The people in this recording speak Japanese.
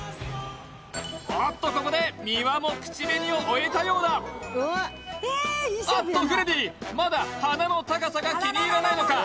おっとここで美輪も口紅を終えたようだあっとフレディまだ鼻の高さが気に入らないのか？